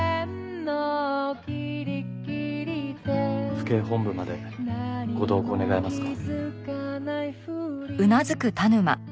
府警本部までご同行願えますか？